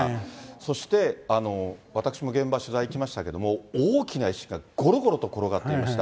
そして、私も現場取材行きましたけども、大きな石がごろごろと転がっていました。